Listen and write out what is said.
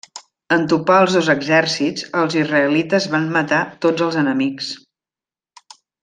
En topar els dos exèrcits, els israelites van matar tots els enemics.